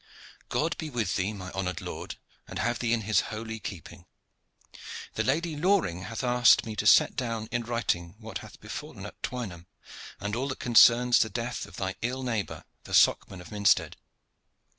"'God be with thee, my honored lord, and have thee in his holy keeping. The Lady Loring hath asked me to set down in writing what hath befallen at Twynham, and all that concerns the death of thy ill neighbor the Socman of Minstead.